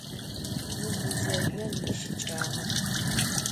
Vuguzezjon yişıç'ağep.